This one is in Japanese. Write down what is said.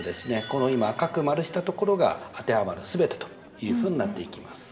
この今赤く丸したところが当てはまる全てというふうになっていきます。